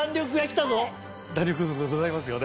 弾力ございますよね。